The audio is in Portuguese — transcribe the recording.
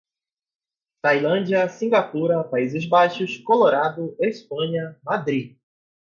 Tailândia, Singapura, Países Baixos, Colorado, Espanha, Madrid